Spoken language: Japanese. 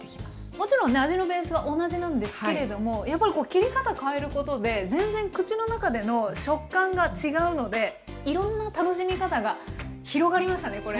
もちろんね味のベースは同じなんですけれどもやっぱりこう切り方変えることで全然口の中での食感が違うのでいろんな楽しみ方が広がりましたねこれ。